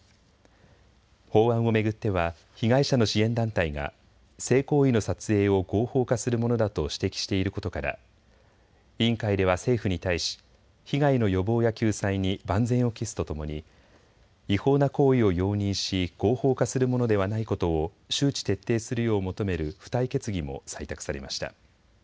法案を巡っては被害者の支援団体が性行為の撮影を合法化するものだと指摘していることから委員会では政府に対し被害の予防や救済に万全を期すとともに違法な行為を容認し合法化するものではないことを周知徹底するよう求める付帯決議も採択されました。